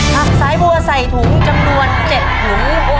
ผักสายบัวใส่ถุงจำนวน๗ถุง